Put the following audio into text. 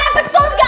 betul gak betul